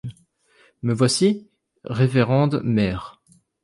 Me voici, révérende mère.